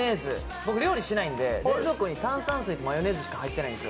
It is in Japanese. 僕、料理しないんで、冷蔵庫に炭酸水とマヨネーズしか入ってないんですよ。